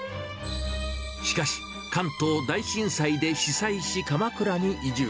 しかし、関東大震災で被災し、鎌倉に移住。